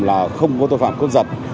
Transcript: là không có tội phạm cướp giật